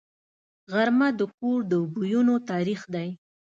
غرمه د کور د بویونو تاریخ دی